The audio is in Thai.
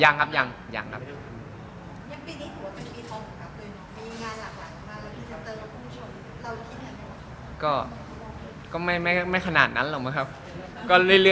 แต่ครับว่ายังไม่ได้เจอปัญหาเรื่องของมุรพรรพรรค